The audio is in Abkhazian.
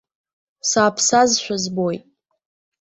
Сааԥсазшәа збоит.